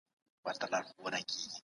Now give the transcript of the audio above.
فرهنګي کمېسیون کومي چارې پرمخ وړي؟